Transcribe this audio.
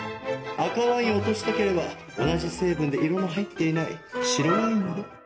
赤ワインを落としたければ同じ成分で色の入っていない白ワインで。